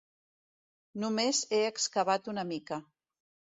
Només he excavat una mica.